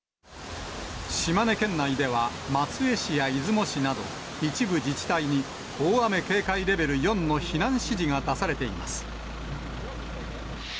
島根県内では松江市や出雲市など、一部自治体に、大雨警戒レベル４の避難指示が出されています。